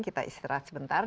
kita istirahat sebentar